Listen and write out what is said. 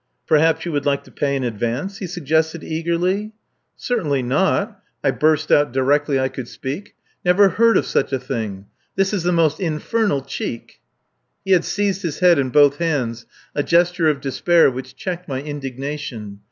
"Perhaps you would like to pay in advance?" he suggested eagerly. "Certainly not!" I burst out directly I could speak. "Never heard of such a thing! This is the most infernal cheek. ..." He had seized his head in both hands a gesture of despair which checked my indignation.